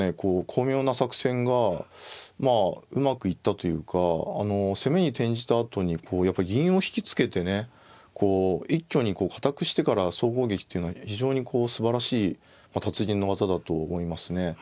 巧妙な作戦がまあうまくいったというか攻めに転じたあとにこうやっぱり銀を引き付けてねこう一挙に堅くしてから総攻撃っていうのは非常にすばらしい達人の技だと思いますね。